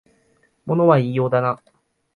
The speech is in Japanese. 物は言いようだな